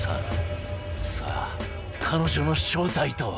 さあ彼女の正体とは？